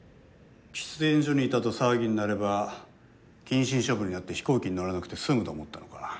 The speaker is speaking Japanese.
喫煙所にいたと騒ぎになれば謹慎処分になって飛行機に乗らなくて済むと思ったのか。